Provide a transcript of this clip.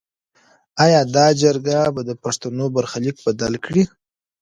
ایا دا جرګه به د پښتنو برخلیک بدل کړي؟